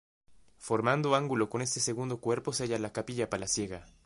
Formando ángulo con este segundo cuerpo se haya la capilla palaciega.